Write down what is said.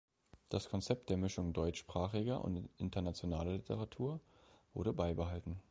Das Konzept der Mischung deutschsprachiger und internationaler Literatur wurde beibehalten.